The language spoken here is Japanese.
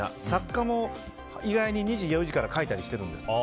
作家も意外に２時、４時から書いてたりしてるんです。